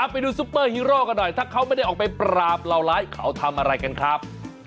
ซูเปอร์ฮีโร่กันหน่อยถ้าเขาไม่ได้ออกไปปราบเหล่าร้ายเขาทำอะไรกันครับ